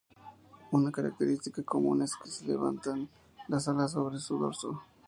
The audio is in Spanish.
Una característica común es que levantan las alas sobre su dorso.